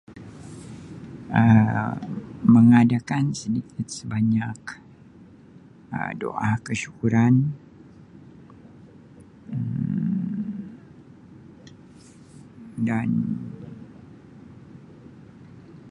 Um Mengadakan sedikit sebanyak Um doa kesyukuran Um dan.